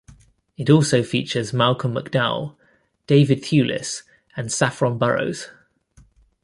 It also features Malcolm McDowell, David Thewlis and Saffron Burrows.